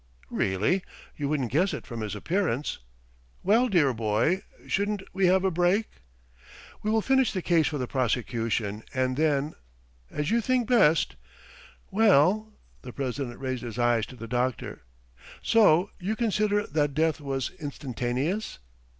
"Really? You wouldn't guess it from his appearance. ... Well, dear boy, shouldn't we have a break?" "We will finish the case for the prosecution, and then. ..." "As you think best. ... Well?" the president raised his eyes to the doctor. "So you consider that death was instantaneous?"